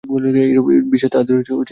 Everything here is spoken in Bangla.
এইরূপ বিশ্বাস তাঁহাদের ধর্মের ভিত্তি।